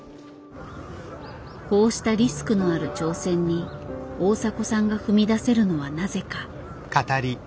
こうしたリスクのある挑戦に大迫さんが踏み出せるのはなぜか。